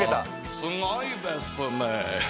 すごいですね。